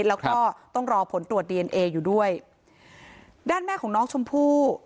แล้วก็ต้องรอผลตรวจดีเอนเออยู่ด้วยด้านแม่ของน้องชมพู่